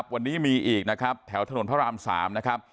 วันนี้มีอีกนะครับแถวถนนพระราม๓นะครับ